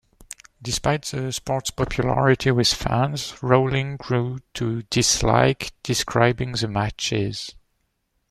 Despite the sport's popularity with fans, Rowling grew to dislike describing the matches.